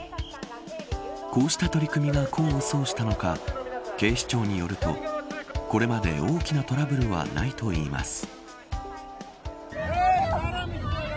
こうした取り組みが功を奏したのか警視庁によるとこれまで大きなトラブルはないといいます。